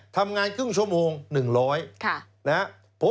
ทำงานครึ่งชั่วโมง๑๐๐บาท